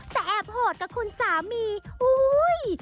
แต่แอบโหดกับคุณสามีอุ้ย